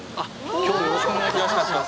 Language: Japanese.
今日はよろしくお願い致します。